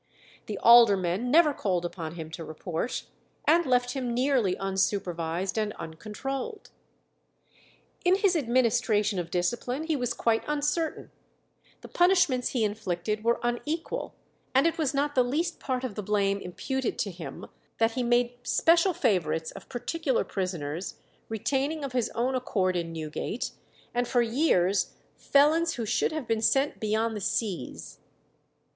The aldermen never called upon him to report, and left him nearly unsupervised and uncontrolled. In his administration of discipline he was quite uncertain; the punishments he inflicted were unequal, and it was not the least part of the blame imputed to him that he made special favourites of particular prisoners, retaining of his own accord in Newgate, and for years, felons who should have been sent beyond the seas.